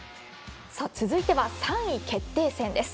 続いては３位決定戦です。